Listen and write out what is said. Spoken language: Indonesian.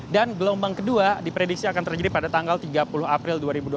dan gelombang kedua diprediksi akan terjadi pada tanggal tiga puluh april dua ribu dua puluh tiga